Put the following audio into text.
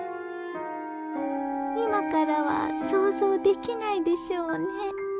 今からは想像できないでしょうね。